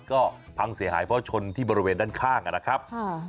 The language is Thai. ก็พังเสียหายเพราะชนที่บริเวณด้านข้างนะครับ